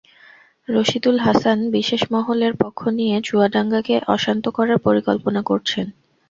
রশীদুল হাসান বিশেষ মহলের পক্ষ নিয়ে চুয়াডাঙ্গাকে অশান্ত করার পরিকল্পনা করছেন।